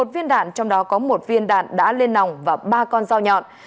một mươi một viên đạn trong đó có một viên đạn đã lên nòng và ba con dao nhọn